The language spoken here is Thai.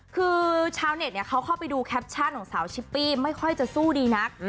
คือชาวเน็ตเขาเข้าไปดูแคปชั่นของสาวชิปปี้ไม่ค่อยจะสู้ดีนัก